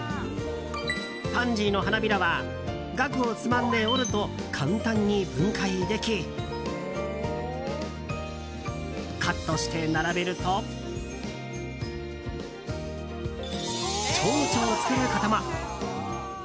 パンジーの花びらはガクをつまんで折ると簡単に分解できカットして並べるとチョウチョを作ることも。